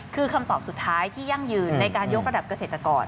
คือคำตอบสุดท้ายที่ยั่งยืนในการยกระดับเกษตรกร